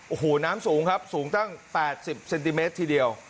โอ้โหน้ำสูงครับสูงตั้ง๘๐เซนติเมตรทีเดียว